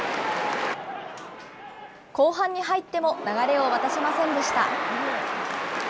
後半に入っても流れを渡しませんでした。